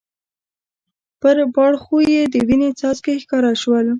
پر باړخو یې د وینې څاڅکي ښکاره شول.